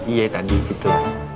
iya tadi gitu